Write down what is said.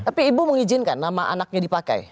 tapi ibu mengizinkan nama anaknya dipakai